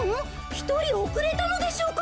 ひとりおくれたのでしょうか？